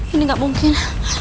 ini gak mungkin